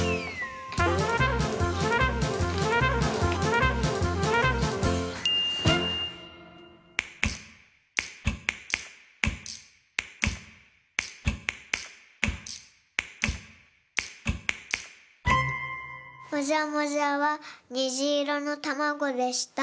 もじゃもじゃはにじいろのたまごでした。